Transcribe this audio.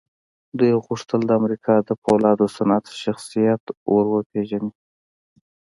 دوی غوښتل د امريکا د پولادو صنعت شخصيت ور وپېژني.